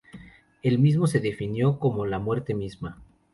El mismo se definió como la muerte misma.